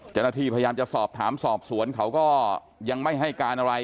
เจ้าหน้าที่พยายามจะสอบถามสอบสวนเขาก็ยังไม่ให้การอะไร